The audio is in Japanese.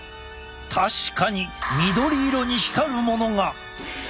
確かに緑色に光るものが！